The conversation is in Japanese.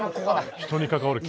人に関わる系。